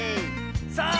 さあ